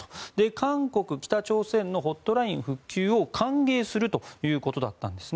韓国、北朝鮮のホットライン復旧を歓迎するということだったんです。